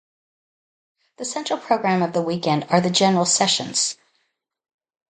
The central program of the weekend are the general sessions.